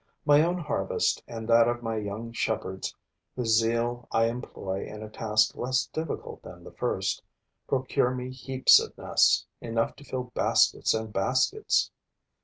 My own harvest and that of my young shepherds, whose zeal I employ in a task less difficult than the first, procure me heaps of nests, enough to fill baskets and baskets.